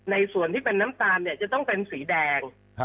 ส่วนที่เป็นน้ำตาลเนี่ยจะต้องเป็นสีแดง